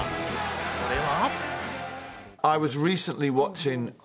それは。